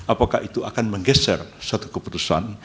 apakah itu akan menggeser suatu keputusan